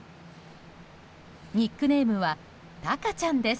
ニックネームは鷹ちゃんです。